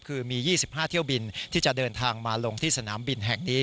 คือมี๒๕เที่ยวบินที่จะเดินทางมาลงที่สนามบินแห่งนี้